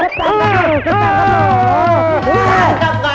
itu anak kita